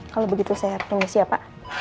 kalau begitu saya tunggu siap pak